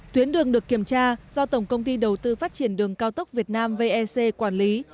tuyến đường được kiểm tra do tổng công ty đầu tư phát triển đường cao tốc việt nam vec quản lý